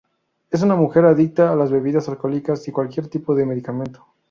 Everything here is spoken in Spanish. Es una mujer adicta a las bebidas alcohólicas y a cualquier tipo de medicamento.